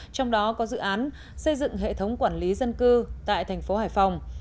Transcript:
trong đó có dự án xây dựng hệ thống quản lý dân cư tại thành phố hải phòng